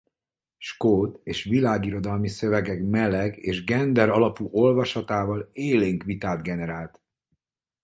Skót és világirodalmi szövegek meleg- és gender-alapú olvasatával élénk vitát generált.